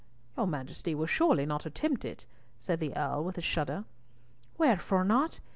"Your Majesty will surely not attempt it," said the Earl, with a shudder. "Wherefore not?